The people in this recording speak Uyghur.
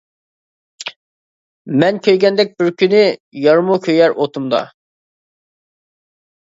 مەن كۆيگەندەك بىر كۈنى، يارمۇ كۆيەر ئوتۇمدا.